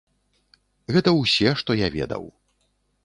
Гэта ўсе, што я ведаў.